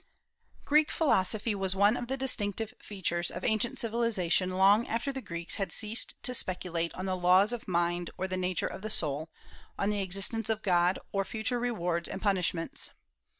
Greek philosophy was one of the distinctive features of ancient civilization long after the Greeks had ceased to speculate on the laws of mind or the nature of the soul, on the existence of God or future rewards and punishments.